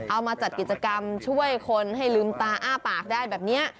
มาจัดกิจกรรมช่วยคนให้ลืมตาอ้าปากได้แบบนี้